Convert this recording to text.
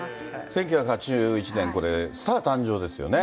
１９８１年、これ、スター誕生ですよね。